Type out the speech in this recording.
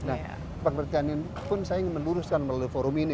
nah perikanan pun saya ingin menuruskan melalui forum ini